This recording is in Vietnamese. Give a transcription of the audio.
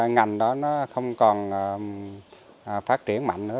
ngành đó nó không còn phát triển mạnh nữa